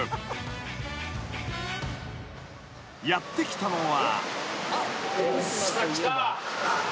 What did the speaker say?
［やって来たのは］